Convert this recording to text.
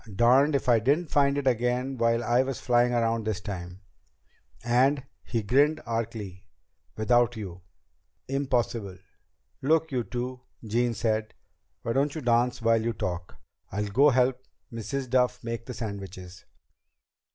Darned if I didn't find it again while I was flying around this time. And" he grinned archly "without you!" "Impossible!" "Look, you two," Jean said. "Why don't you dance while you talk? I'll go help Mrs. Duff make the sandwiches."